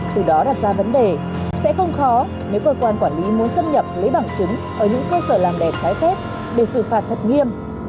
từ đó đặt ra vấn đề sẽ không khó nếu cơ quan quản lý muốn xâm nhập lấy bằng chứng ở những cơ sở làm đẹp trái phép